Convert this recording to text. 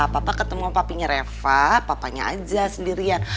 papa ketemu papinya reva papanya aja sendirian